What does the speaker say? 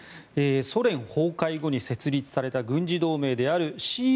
ソ連崩壊後に設立された軍事同盟であるＣＳＴＯ